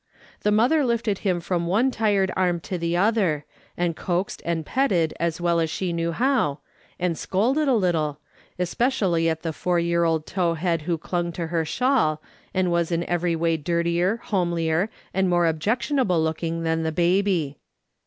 The mother lifted him from one tired arm to the ot^er, and coaxed and petted as well as she knew how, and scolded a little, especially at the four year old tow head who clung to her shawl, and was in every way dirtier, homelier, and more objectionable looking than the baby.